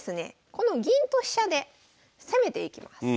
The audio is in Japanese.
この銀と飛車で攻めていきます。